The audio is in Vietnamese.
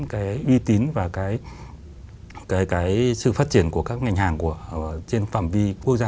cái uy tín và cái sự phát triển của các ngành hàng trên phạm vi quốc gia